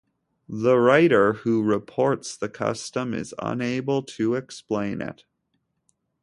The writer who reports the custom is unable to explain it.